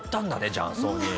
雀荘に。